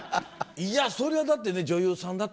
いやそれはだって女優さんだってね。